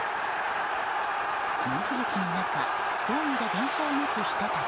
猛吹雪の中ホームで電車を待つ人たち。